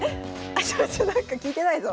ちょっとなんか聞いてないぞ。